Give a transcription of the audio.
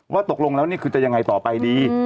ตกลงแล้วนี่คือจะยังไงต่อไปดี